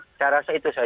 saya rasa itu saja